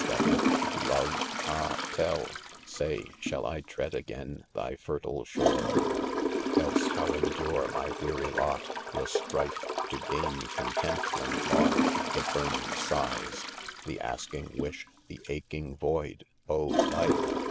that, looked. to love— Ah tell 1 ■Say,, shall I tread again thy fertile shore ?— C v ■• Else, how endure my weary, lot — the strife, To gain content! When far — the burning sighs— The asking wisj£— the aching void — oh 3 life